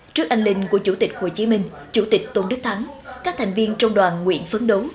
trước anh linh của chủ tịch hồ chí minh chủ tịch tôn đức thắng các thành viên trong đoàn nguyện phấn đấu